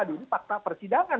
ini fakta persidangan